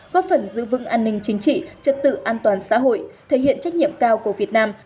góp phần giữ vững an ninh chính trị chất tự an toàn xã hội thể hiện trách nhiệm cao của việt nam